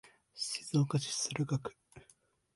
静岡市駿河区